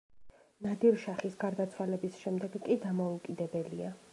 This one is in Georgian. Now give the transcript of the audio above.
ნადირ შაჰის გარდაცვალების შემდეგ კი დამოუკიდებელია.